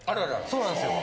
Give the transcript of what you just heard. そうなんですよ。